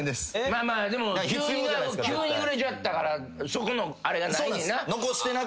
まあまあでも急に売れちゃったからそこのあれがないねんな。